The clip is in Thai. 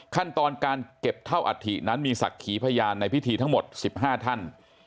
ขั้นตอนการเก็บเท่าอัฐินั้นมีศักดิ์ขีพยานในพิธีทั้งหมด๑๕ท่าน